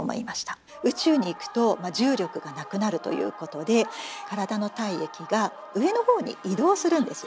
宇宙に行くと重力がなくなるということで体の体液が上のほうに移動するんですよね。